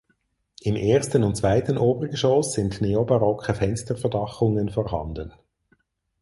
Im ersten und zweiten Obergeschoss sind neobarocke Fensterverdachungen vorhanden.